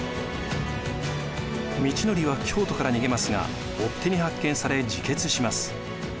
通憲は京都から逃げますが追っ手に発見され自決します。